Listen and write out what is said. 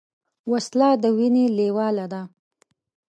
وسله د وینې لیواله ده